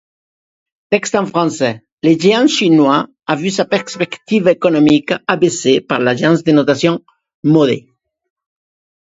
Eagle-hawk or cockatoo feathers are stuck in her hair.